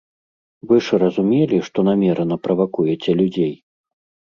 Вы ж разумелі, што намерана правакуеце людзей!